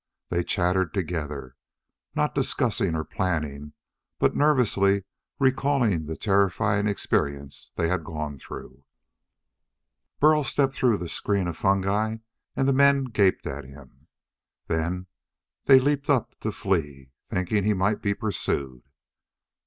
They chattered together not discussing or planning, but nervously recalling the terrifying experience they had gone through. Burl stepped through the screen of fungi and men gaped at him. Then they leaped up to flee, thinking he might be pursued.